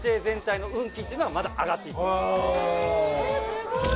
すごい。